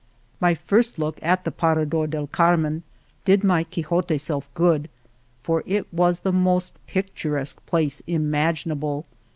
My first look at the Parador del Carmen did my Quixote self good, for it was the most picturesque place imaginable.